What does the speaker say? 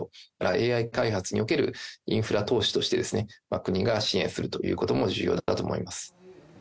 ＡＩ開発におけるインフラ投資として、国が支援するということも重要だと思います。